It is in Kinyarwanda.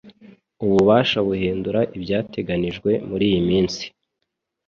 ububasha buhindura ibyateganyijwe muriyi minsi